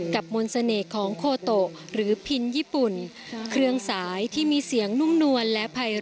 มนต์เสน่ห์ของโคโตะหรือพินญี่ปุ่นเครื่องสายที่มีเสียงนุ่มนวลและภัย